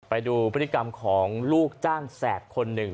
ไปดูพฤติกรรมของลูกจ้างแสบคนหนึ่ง